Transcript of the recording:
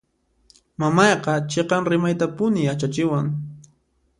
Mamayqa chiqan rimaytapuni yachachiwan.